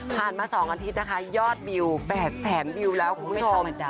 ผ่านมาสองอาทิตย์นะคะยอดวิวแปดแสนวิวแล้วคุณผู้ชม